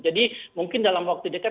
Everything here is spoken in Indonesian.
jadi mungkin dalam waktu dekat